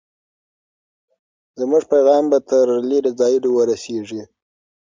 زموږ پیغام به تر لرې ځایونو ورسېږي.